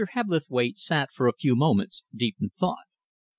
Hebblethwaite sat, for a few moments, deep in thought.